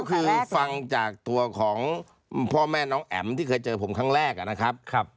คือฟังจากตัวของพ่อแม่น้องแอ๋มที่เคยเจอผมครั้งแรกนะครับ